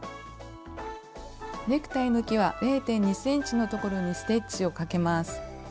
ネクタイのきわ０．２ｃｍのところにステッチをかけます。